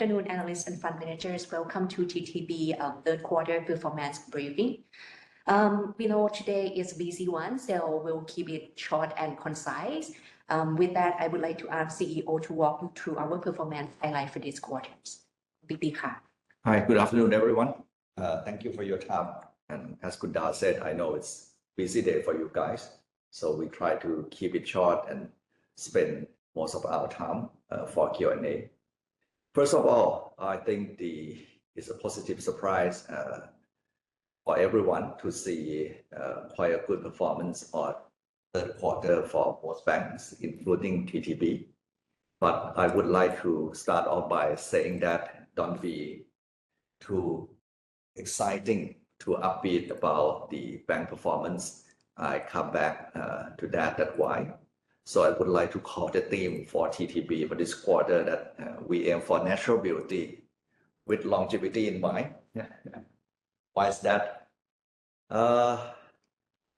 Afternoon, analysts and fund managers. Welcome to TTB, third quarter performance briefing. We know today is a busy one, so we'll keep it short and concise. With that, I would like to ask CEO to walk through our performance and life for this quarter. Piti Ka. Hi, good afternoon, everyone. Thank you for your time. As Kuda said, I know it's a busy day for you guys, so we try to keep it short and spend most of our time for Q&A. First of all, I think it's a positive surprise for everyone to see quite a good performance for third quarter for both banks, including TTB. I would like to start off by saying that don't be too excited or upbeat about the bank performance. I come back to that, why. I would like to call the theme for TTB for this quarter that we aim for natural beauty with longevity in mind. Why is that?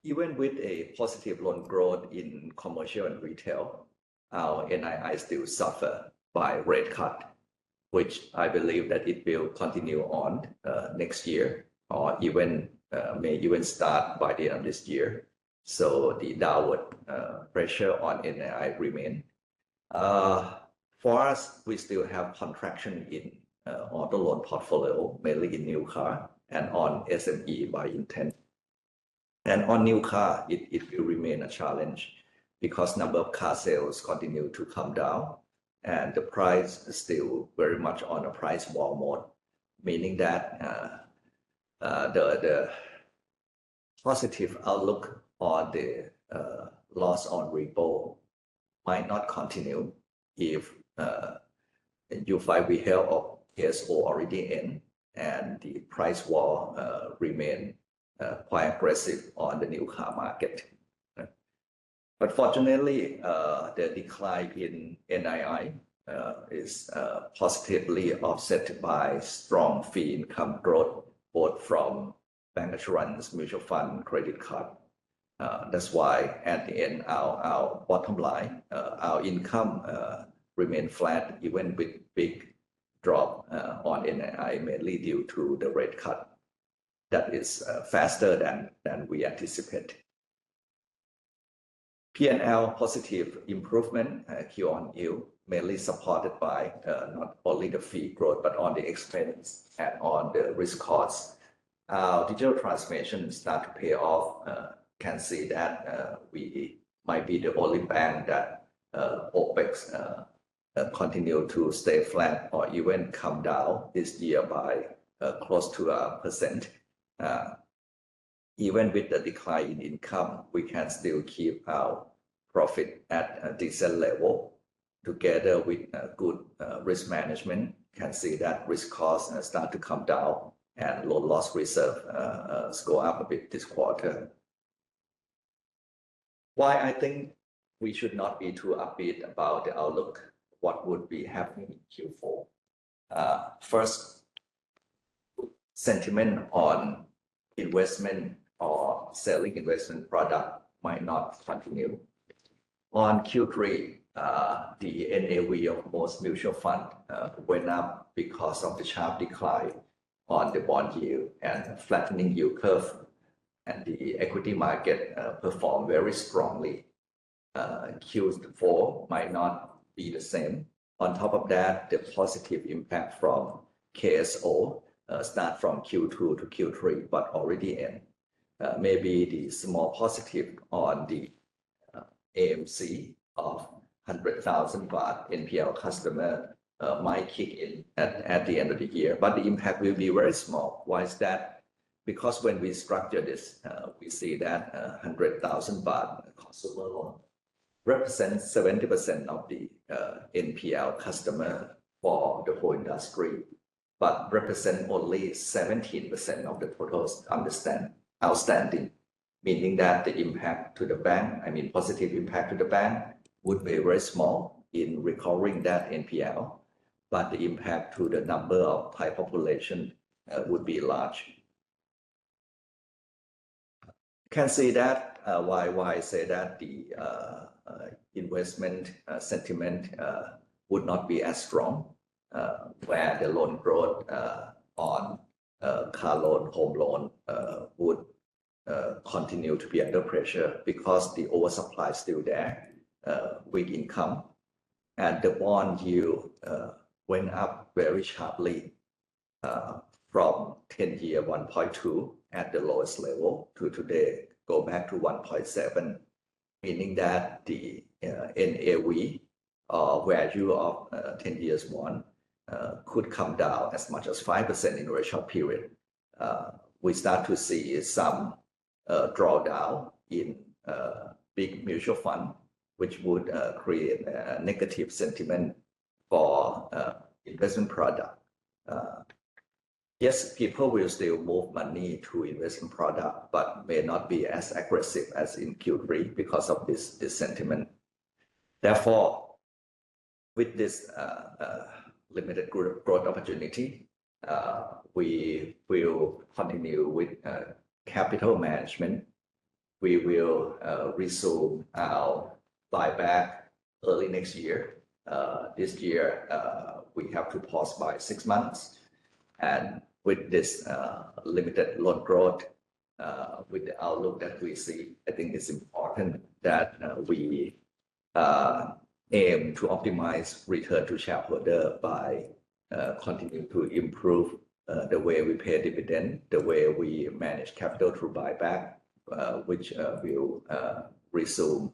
Even with a positive loan growth in commercial and retail, our NII still suffer by rate cut, which I believe that it will continue on next year, or may even start by the end of this year. The downward pressure on NII remains. For us, we still have contraction in auto loan portfolio, mainly in new car and on SME by intent. On new car, it will remain a challenge because number of car sales continue to come down, and the price is still very much on a price war mode, meaning that the positive outlook on the loss on repo might not continue if you find we have a case already in, and the price war remain quite aggressive on the new car market. Fortunately, the decline in NII is positively offset by strong fee income growth, both from bancassurance, mutual fund, credit card. That's why at the end, our bottom line, our income, remain flat even with big drop on NII, mainly due to the rate cut that is faster than we anticipate. P&L positive improvement, Q on Q, mainly supported by not only the fee growth, but on the expense and on the risk cost. Digital transformation start to pay off, can see that we might be the only bank that OpEx continue to stay flat or even come down this year by close to 1%. Even with the decline in income, we can still keep our profit at a decent level. Together with a good risk management, can see that risk costs start to come down and loan loss reserve go up a bit this quarter. Why I think we should not be too upbeat about the outlook? What would be happening in Q4? First, sentiment on investment or selling investment product might not continue. On Q3, the NAV of most mutual fund went up because of the sharp decline on the bond yield and flattening yield curve, and the equity market performed very strongly. Q4 might not be the same. On top of that, the positive impact from KSO started from Q2 to Q3, but already ended. Maybe the small positive on the AMC of 100,000 baht NPL customer might kick in at the end of the year, but the impact will be very small. Why is that? Because when we structure this, we see that, 100,000 baht cost of level represents 70% of the NPL customer for the whole industry, but represents only 17% of the total outstanding, meaning that the impact to the bank, I mean, positive impact to the bank would be very small in recovering that NPL, but the impact to the number of high population would be large. Can see that, why, why say that the investment sentiment would not be as strong, where the loan growth on car loan, home loan, would continue to be under pressure because the oversupply is still there, big income, and the bond yield went up very sharply, from 10 year 1.2 at the lowest level to today, go back to 1.7, meaning that the NAV value of 10 years one could come down as much as 5% in a ratio period. We start to see some drawdown in big mutual fund, which would create a negative sentiment for investment product. Yes, people will still move money to investment product, but may not be as aggressive as in Q3 because of this sentiment. Therefore, with this limited growth opportunity, we will continue with capital management. We will resume our buyback early next year. This year, we have to pause by six months. With this limited loan growth, with the outlook that we see, I think it's important that we aim to optimize return to shareholder by continuing to improve the way we pay dividend, the way we manage capital to buyback, which will resume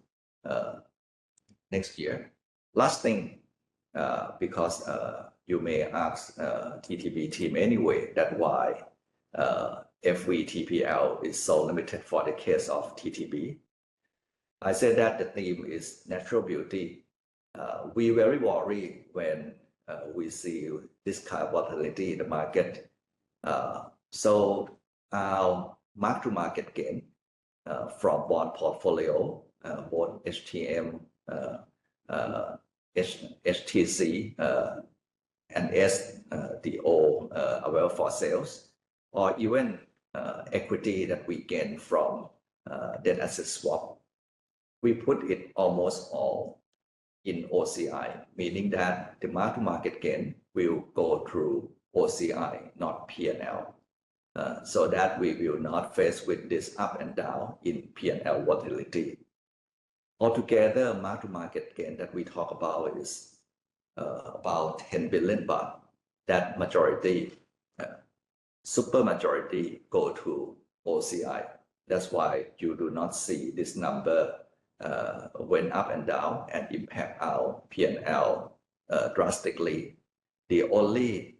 next year. Last thing, because you may ask TTB team anyway, that why FVTPL is so limited for the case of TTB. I said that the theme is natural beauty. We very worry when we see this kind of volatility in the market. So our mark-to-market gain from bond portfolio, bond HTM, HTC, and SDO, available for sales, or even equity that we gain from debt asset swap, we put it almost all in OCI, meaning that the mark-to-market gain will go through OCI, not P&L. So that we will not face with this up and down in P&L volatility. Altogether, mark-to-market gain that we talk about is about 10 billion. That majority, super majority go to OCI. That's why you do not see this number went up and down and impact our P&L, drastically. The only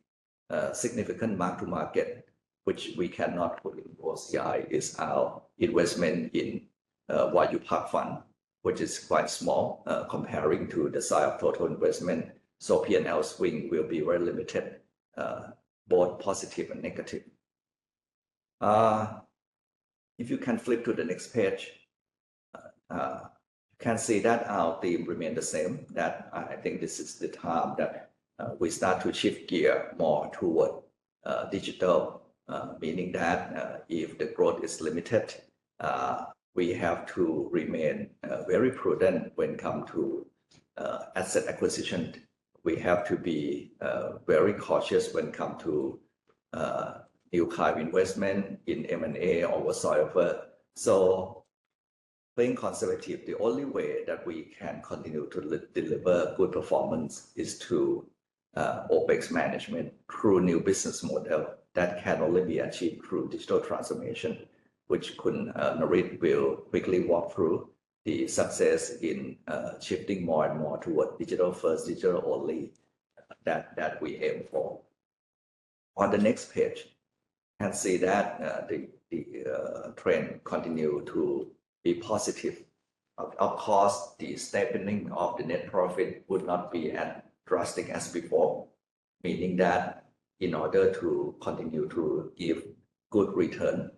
significant mark-to-market, which we cannot put in OCI, is our investment in Wagyu Park Fund, which is quite small, comparing to the size of total investment. So P&L swing will be very limited, both positive and negative. If you can flip to the next page, can see that our theme remains the same, that I think this is the time that we start to shift gear more toward digital, meaning that if the growth is limited, we have to remain very prudent when it comes to asset acquisition. We have to be very cautious when it comes to new kind of investment in M&A or whatsoever. Being conservative, the only way that we can continue to deliver good performance is through OpEx management through new business model that can only be achieved through digital transformation, which Khun Narit will quickly walk through the success in shifting more and more toward digital first, digital only, that we aim for. On the next page, can see that the trend continues to be positive. Of course, the steepening of the net profit would not be as drastic as before, meaning that in order to continue to give good return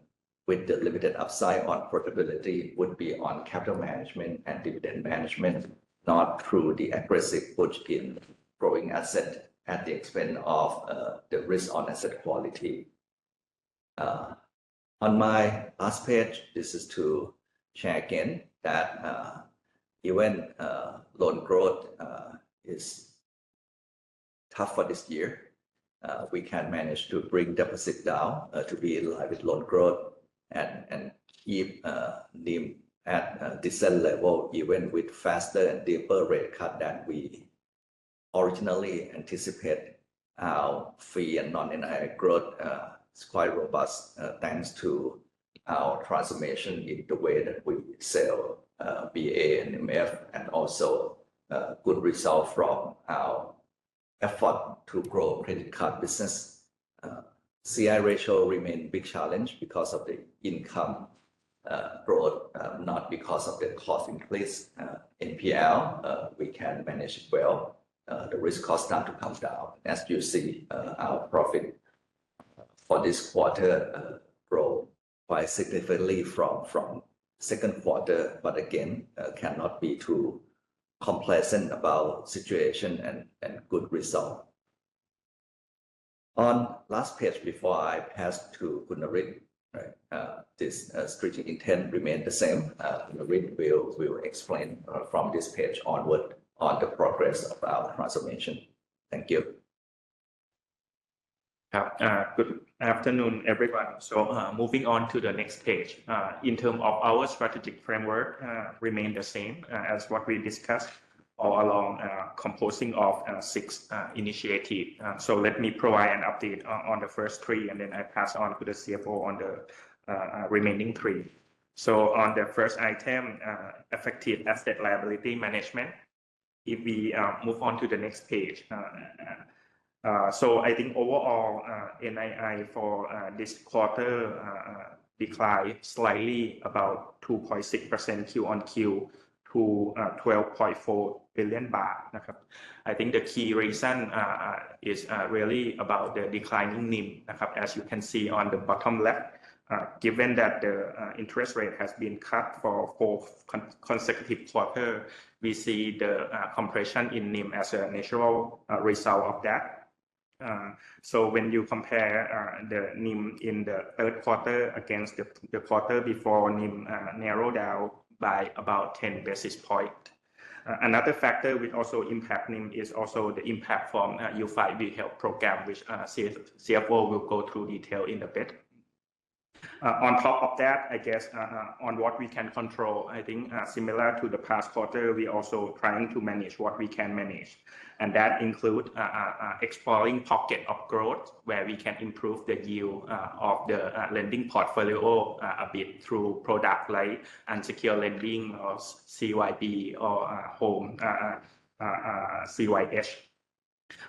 with the limited upside on profitability would be on capital management and dividend management, not through the aggressive push in growing asset at the expense of the risk on asset quality. On my last page, this is to share again that, even loan growth is tough for this year, we can manage to bring deficit down to be in line with loan growth and keep deemed at decent level, even with faster and deeper rate cut than we originally anticipated. Our fee and non-NII growth is quite robust, thanks to our transformation in the way that we sell BA and MF, and also good result from our effort to grow credit card business. CI ratio remains a big challenge because of the income growth, not because of the cost increase. NPL, we can manage it well. The risk cost starts to come down, as you see, our profit for this quarter grew quite significantly from second quarter, but again, cannot be too complacent about situation and good result. On last page before I pass to Khun Narit, this strategic intent remains the same. Narit will explain from this page onward on the progress of our transformation. Thank you. Yeah, good afternoon, everyone. Moving on to the next page, in terms of our strategic framework, remains the same as what we discussed all along, composing of six initiatives. Let me provide an update on the first three, and then I pass on to the CFO on the remaining three. On the first item, affected asset liability management, if we move on to the next page, I think overall, NII for this quarter declined slightly, about 2.6% Q on Q, to 12.4 billion baht. I think the key reason is really about the declining NIM, as you can see on the bottom left. Given that the interest rate has been cut for four consecutive quarters, we see the compression in NIM as a natural result of that. When you compare the NIM in the third quarter against the quarter before, NIM narrowed down by about 10 basis points. Another factor which also impacts NIM is also the impact from the U5B health program, which CFO will go through in detail in a bit. On top of that, I guess, on what we can control, I think, similar to the past quarter, we are also trying to manage what we can manage. That includes exploring pockets of growth where we can improve the yield of the lending portfolio a bit through products like unsecured lending or CYB or home, CYS.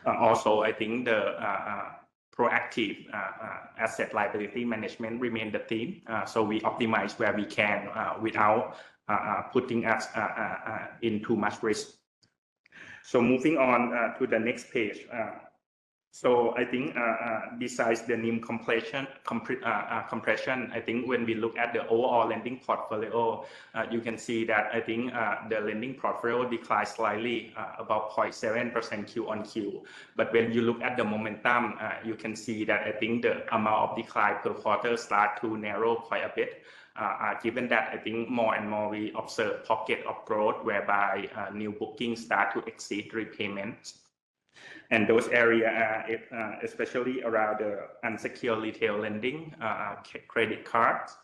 I think the proactive asset liability management remains the theme. We optimize where we can, without putting us in too much risk. Moving on to the next page, I think, besides the NIM compression, when we look at the overall lending portfolio, you can see that the lending portfolio declined slightly, about 0.7% Q on Q. When you look at the momentum, you can see that the amount of decline per quarter starts to narrow quite a bit. Given that I think more and more we observe pockets of growth whereby new bookings start to exceed repayments. Those areas, especially around the unsecured retail lending, credit cards,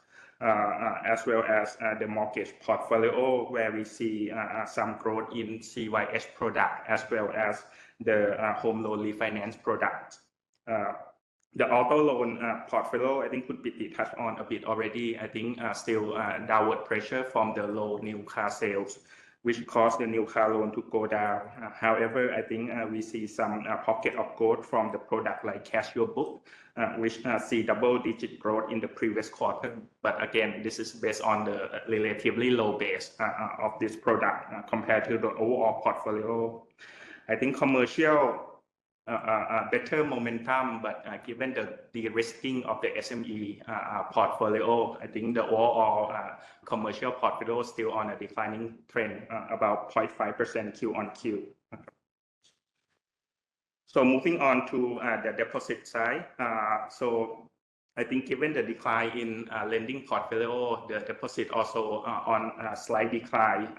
as well as the mortgage portfolio where we see some growth in CYS products as well as the home loan refinance products. The auto loan portfolio I think could be detached on a bit already. I think still downward pressure from the low new car sales, which caused the new car loan to go down. However, I think we see some pockets of growth from the product like Cash Your Car, which see double-digit growth in the previous quarter. Again, this is based on the relatively low base of this product compared to the overall portfolio. I think commercial, better momentum, but, given the de-risking of the SME portfolio, I think the overall commercial portfolio is still on a declining trend, about 0.5% Q on Q. Moving on to the deposit side, I think given the decline in lending portfolio, the deposit also, on, slight decline,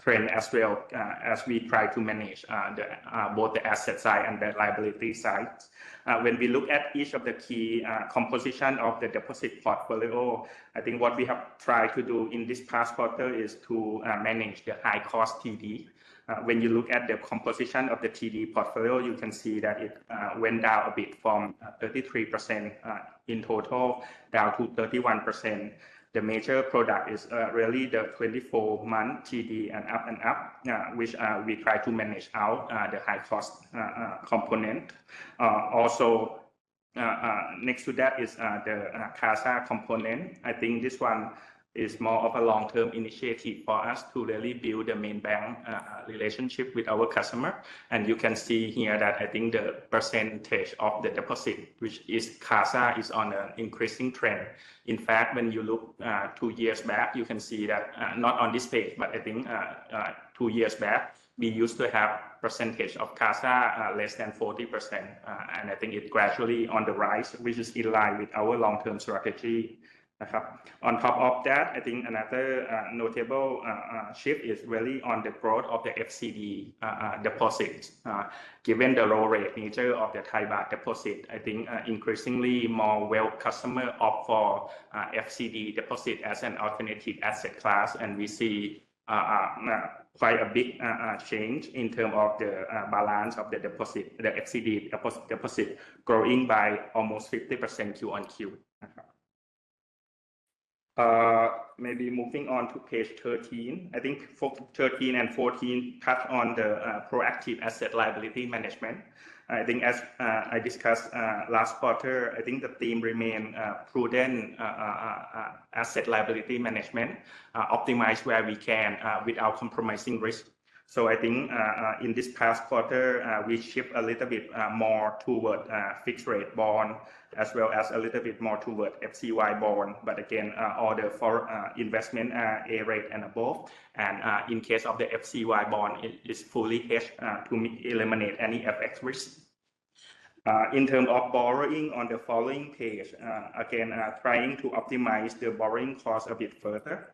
trend as well, as we try to manage the, both the asset side and the liability side. When we look at each of the key composition of the deposit portfolio, I think what we have tried to do in this past quarter is to manage the high cost TD. When you look at the composition of the TD portfolio, you can see that it went down a bit from 33% in total down to 31%. The major product is really the 24-month TD and up and up, which we try to manage out, the high cost component. Also, next to that is the CASA component. I think this one is more of a long-term initiative for us to really build the main bank relationship with our customer. You can see here that I think the percentage of the deposit, which is CASA, is on an increasing trend. In fact, when you look two years back, you can see that, not on this page, but I think two years back, we used to have a percentage of CASA less than 40%. I think it's gradually on the rise, which is in line with our long-term strategy. On top of that, I think another notable shift is really on the growth of the FCD deposits. Given the low rate nature of the Thai Baht deposit, I think increasingly more wealth customers opt for FCD deposits as an alternative asset class. We see quite a big change in terms of the balance of the deposit, the FCD deposit growing by almost 50% Q on Q. Maybe moving on to page 13, I think 13 and 14 touch on the proactive asset liability management. I think as I discussed last quarter, the theme remains prudent asset liability management, optimized where we can, without compromising risk. I think in this past quarter, we shift a little bit more toward fixed rate bonds as well as a little bit more toward FCY bonds. Again, all for investment, A rate and above. In case of the FCY bond, it is fully hedged to eliminate any FX risk. In terms of borrowing on the following page, again, trying to optimize the borrowing cost a bit further.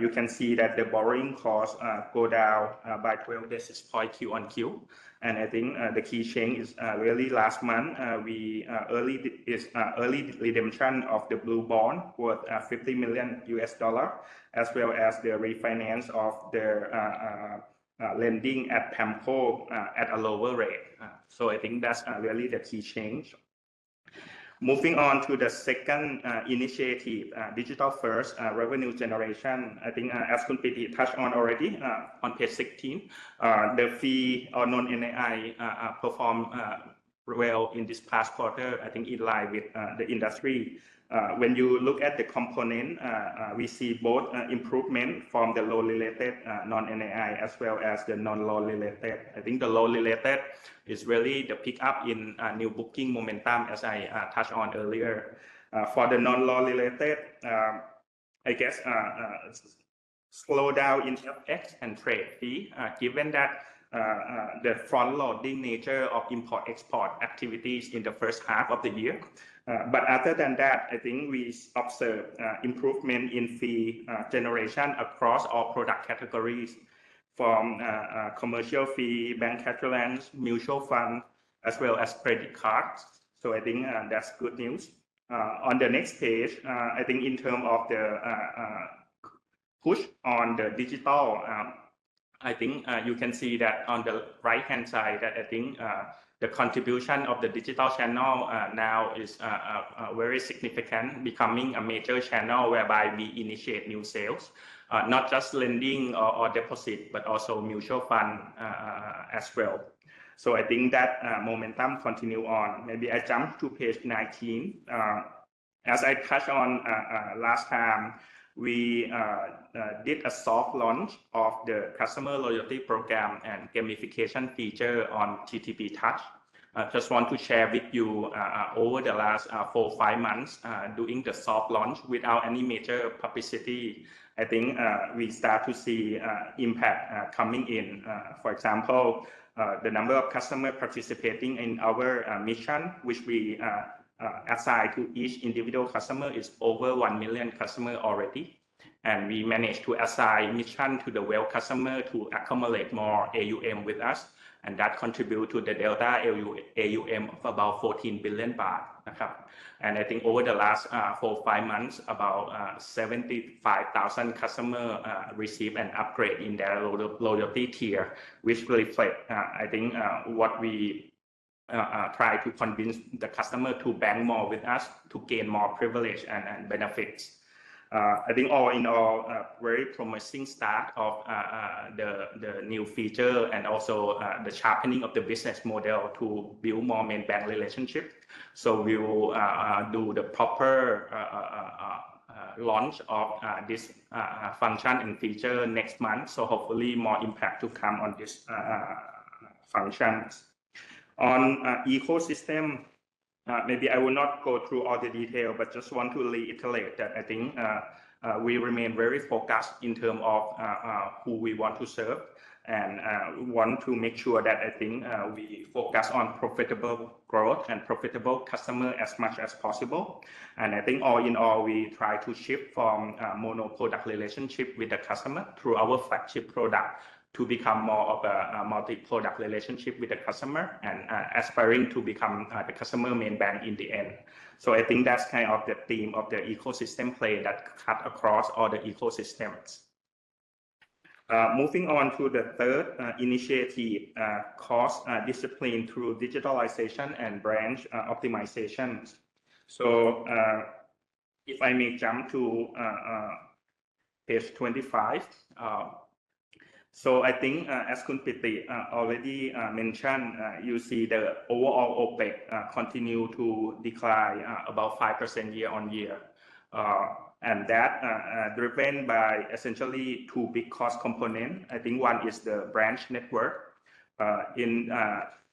You can see that the borrowing cost goes down by 12 basis points Q on Q. I think the key change is really last month we, early redemption of the blue bond worth $50 million as well as the refinance of their lending at PAMCO at a lower rate. I think that's really the key change. Moving on to the second initiative, digital first revenue generation. I think, as Khun Preechasammakul already, on page 16, the fee on non-NAI performed well in this past quarter. I think it lies with the industry. When you look at the component, we see both improvement from the loan-related non-NAI as well as the non-loan-related. I think the loan-related is really the pickup in new booking momentum, as I touched on earlier. For the non-loan-related, I guess, slowdown in FX and trade fee, given that, the front-loading nature of import-export activities in the first half of the year. Other than that, I think we observed improvement in fee generation across all product categories from commercial fee, bank cash allowance, mutual fund, as well as credit cards. I think that's good news. On the next page, I think in terms of the push on the digital, I think you can see that on the right-hand side that I think the contribution of the digital channel now is very significant, becoming a major channel whereby we initiate new sales, not just lending or deposit, but also mutual fund as well. I think that momentum continues on. Maybe I jump to page 19. As I touched on last time, we did a soft launch of the customer loyalty program and gamification feature on TTB Touch. I just want to share with you, over the last four, five months, doing the soft launch without any major publicity. I think we start to see impact coming in. For example, the number of customers participating in our mission, which we assign to each individual customer, is over 1 million customers already. We managed to assign a mission to the wealth customers to accumulate more AUM with us. That contributes to the delta AUM of about 14 billion baht. I think over the last four, five months, about 75,000 customers received an upgrade in their loyalty tier, which reflects, I think, what we try to convince the customers to bank more with us to gain more privilege and benefits. I think all in all, very promising start of the new feature and also the sharpening of the business model to build more main bank relationships. We will do the proper launch of this function in the future next month. Hopefully more impact to come on this function. On ecosystem, maybe I will not go through all the detail, but just want to reiterate that I think we remain very focused in terms of who we want to serve. We want to make sure that I think we focus on profitable growth and profitable customers as much as possible. I think all in all, we try to shift from mono product relationship with the customer through our flagship product to become more of a multi-product relationship with the customer and aspiring to become the customer main bank in the end. I think that's kind of the theme of the ecosystem play that cuts across all the ecosystems. Moving on to the third initiative, cost discipline through digitalization and branch optimizations. If I may jump to page 25, as Khun Preechasammakul already mentioned, you see the overall OpEx continue to decline, about 5% year-on-year. That is driven by essentially two big cost components. I think one is the branch network.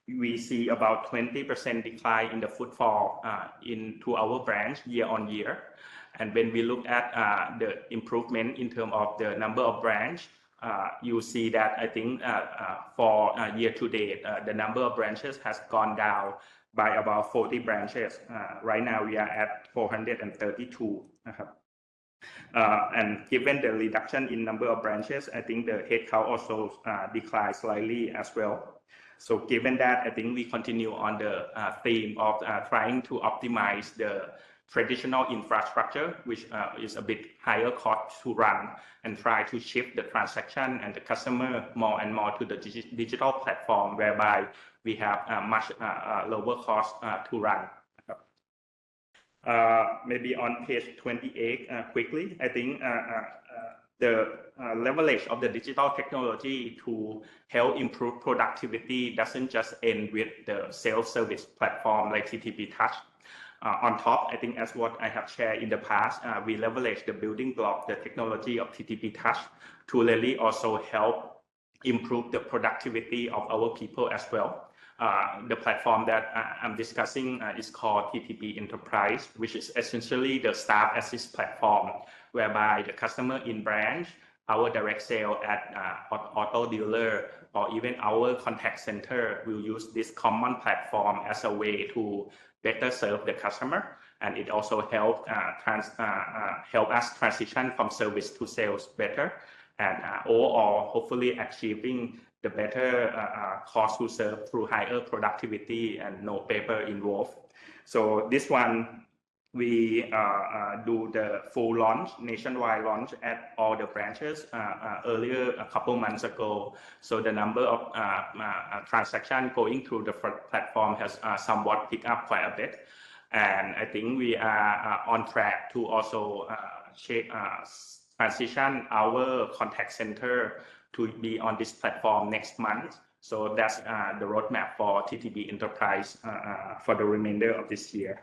We see about a 20% decline in the footfall into our branch year on year. When we look at the improvement in terms of the number of branches, you see that for year to date, the number of branches has gone down by about 40 branches. Right now we are at 432. Given the reduction in number of branches, I think the headcount also declined slightly as well. Given that, I think we continue on the theme of trying to optimize the traditional infrastructure, which is a bit higher cost to run, and try to shift the transaction and the customer more and more to the digital platform whereby we have a much lower cost to run. Maybe on page 28, quickly, I think the leverage of the digital technology to help improve productivity does not just end with the sales service platform like TTB Touch. On top, I think as what I have shared in the past, we leverage the building block, the technology of TTB Touch, to really also help improve the productivity of our people as well. The platform that I'm discussing is called TTB Enterprise, which is essentially the staff assist platform whereby the customer in branch, our direct sale at auto dealer, or even our contact center will use this common platform as a way to better serve the customer. It also helps transition from service to sales better. Overall, hopefully achieving the better cost to serve through higher productivity and no paper involved. This one, we do the full launch, nationwide launch at all the branches, earlier a couple of months ago. The number of transactions going through the platform has somewhat picked up quite a bit. I think we are on track to also transition our contact center to be on this platform next month. That's the roadmap for TTB Enterprise for the remainder of this year.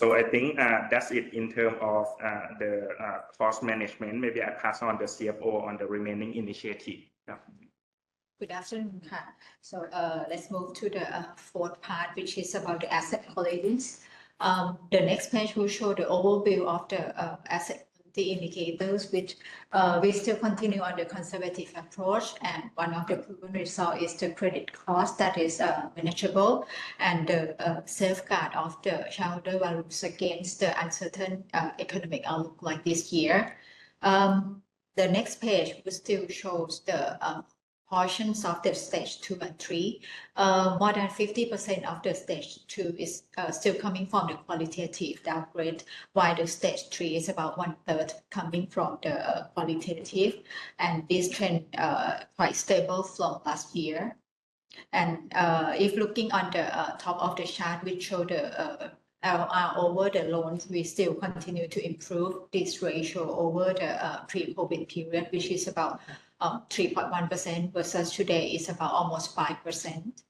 I think that's it in terms of the cost management. Maybe I pass on the CFO on the remaining initiative. Good afternoon. Let's move to the fourth part, which is about the asset holdings. The next page will show the overview of the asset indicators, which we still continue on the conservative approach. One of the proven results is to predict costs that is manageable and the safeguard of the shelter values against the uncertain economic outlook like this year. The next page still shows the portions of the stage two and three. More than 50% of the stage two is still coming from the qualitative downgrade while the stage three is about one third coming from the qualitative. This trend is quite stable from last year. If looking on the top of the chart, which showed the LR over the loans, we still continue to improve this ratio over the pre-COVID period, which is about 3.1% versus today is about almost 5%.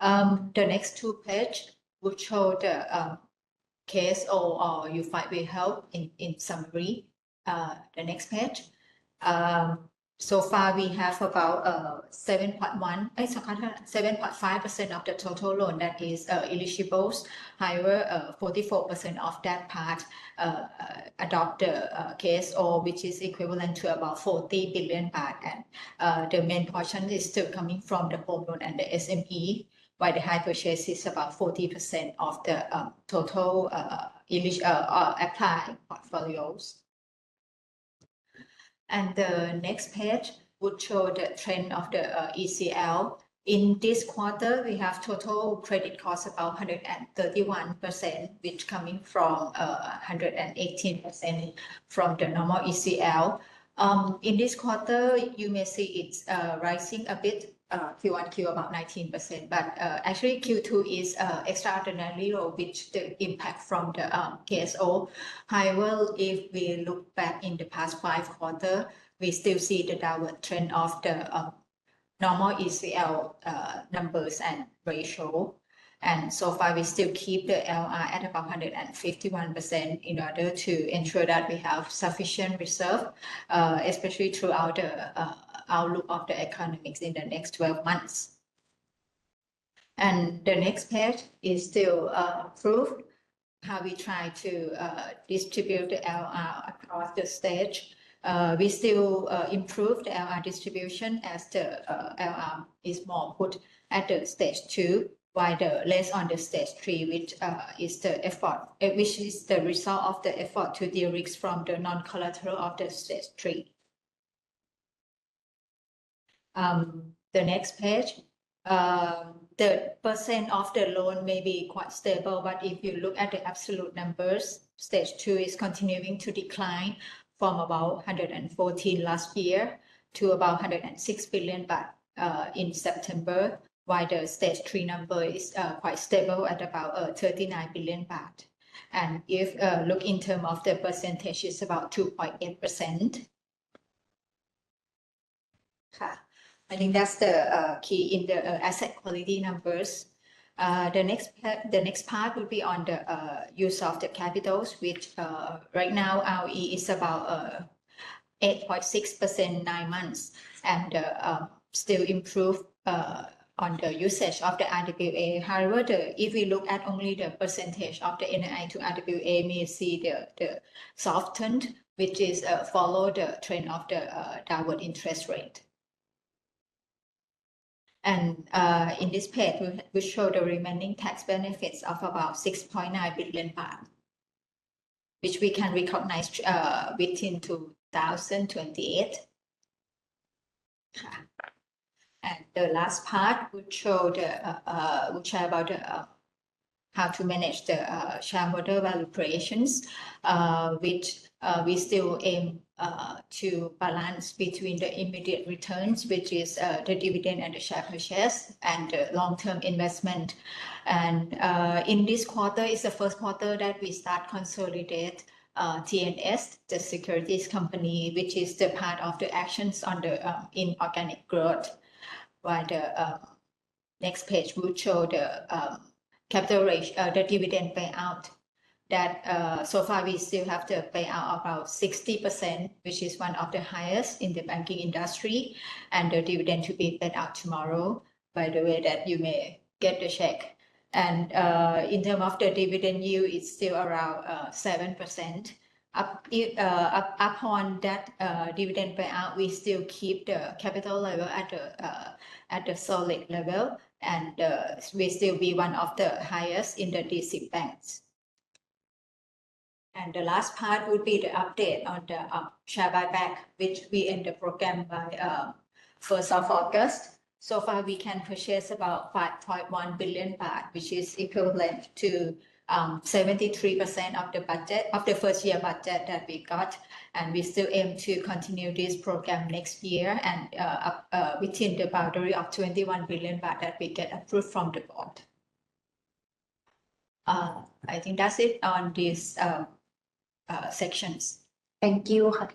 The next two pages will show the KSO or unified wheelhouse in summary. The next page, so far we have about 7.1%-7.5% of the total loan that is eligible. However, 44% of that part adopt the KSO, which is equivalent to about 40 billion baht. The main portion is still coming from the home loan and the SME, while the high purchase is about 40% of the total applied portfolios. The next page would show the trend of the ECL. In this quarter, we have total credit costs about 131%, which coming from 118% from the normal ECL. In this quarter, you may see it's rising a bit, Q1, Q2 about 19%, but actually Q2 is extraordinarily low, which the impact from the KSO. However, if we look back in the past five quarters, we still see the downward trend of the normal ECL numbers and ratio. We still keep the LR at about 151% in order to ensure that we have sufficient reserve, especially throughout the outlook of the economy in the next 12 months. The next page is still proof how we try to distribute the LR at the stage. We still improve the LR distribution as the LR is more put at the stage two, while the less on the stage three is the effort, which is the result of the effort to de-risk from the non-collateral of the stage three. The next page, the percent of the loan may be quite stable, but if you look at the absolute numbers, stage two is continuing to decline from about 114 billion last year to about 106 billion in September, while the stage three number is quite stable at about 39 billion baht. If you look in terms of the percentage, it's about 2.8%. I think that's the key in the asset quality numbers. The next part would be on the use of the capitals, which right now ROE is about 8.6% nine months and still improved on the usage of the RWA. However, if we look at only the percentage of the NAI to RWA, we see the soft turn, which is followed the trend of the downward interest rate. In this page, we show the remaining tax benefits of about 6.9 billion baht, which we can recognize within 2028. The last part would show the, which are about how to manage the shareholder valuations, which we still aim to balance between the immediate returns, which is the dividend and the share purchase, and the long-term investment. In this quarter is the first quarter that we start to consolidate TNS, the securities company, which is the part of the actions on the inorganic growth. The next page would show the capital ratio, the dividend payout that so far we still have to pay out about 60%, which is one of the highest in the banking industry, and the dividend to be paid out tomorrow by the way that you may get the check. In terms of the dividend yield, it's still around 7%. Upon that dividend payout, we still keep the capital level at the solid level, and we still be one of the highest in the DC banks. The last part would be the update on the share buyback, which we aim the program by 1st August. So far we can purchase about 5.1 billion baht, which is equivalent to 73% of the budget of the first year budget that we got. We still aim to continue this program next year and within the boundary of 21 billion baht that we get approved from the board. I think that's it on these sections. Thank you.